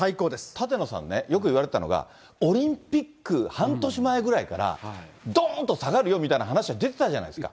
舘野さんね、オリンピック半年前ぐらいからどーんと下がるよみたいな話は出てたじゃないですか。